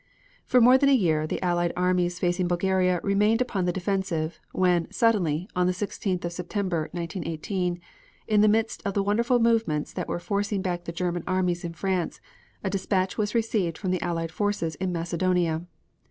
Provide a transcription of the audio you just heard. For more than a year the Allied armies facing Bulgaria remained upon the defensive, when, suddenly, on the 16th of September, 1918, in the midst of the wonderful movements that were forcing back the German armies in France, a dispatch was received from the Allied forces in Macedonia.